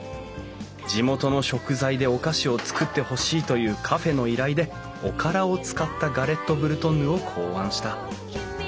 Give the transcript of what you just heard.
地元の食材でお菓子を作ってほしいというカフェの依頼でおからを使ったガレットブルトンヌを考案した。